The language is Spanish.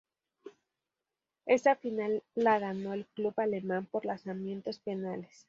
Esa final la ganó el club alemán por lanzamientos penales.